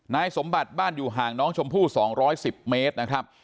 นายสมบัติบ้านอยู่ห่างน้องชมพู่๒๑๐เมตรนะครับ